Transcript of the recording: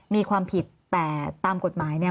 มีความผิดแต่ตามกฎหมายเนี่ย